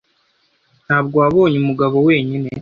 Ntabwo wabonye umugabo wenyine